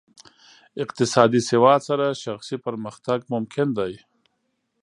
اقتصادي سواد سره شخصي پرمختګ ممکن دی.